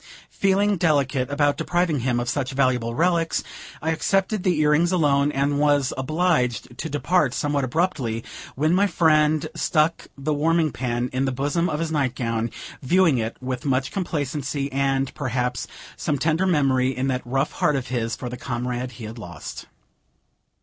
Feeling delicate about depriving him of such valuable relics, I accepted the earrings alone, and was obliged to depart, somewhat abruptly, when my friend stuck the warming pan in the bosom of his night gown, viewing it with much complacency, and, perhaps, some tender memory, in that rough heart of his, for the comrade he had lost.